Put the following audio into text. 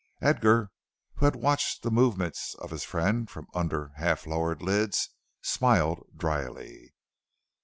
Edgar, who had watched the movements of his friend from under half lowered lids, smiled dryly.